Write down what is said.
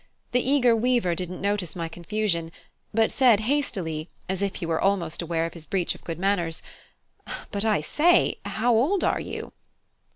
The eager weaver didn't notice my confusion, but said hastily, as if he were almost aware of his breach of good manners, "But, I say, how old are you?"